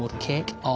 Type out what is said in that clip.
ああ